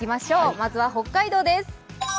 まずは北海道です。